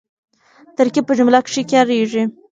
ترکیب په جمله کښي کاریږي.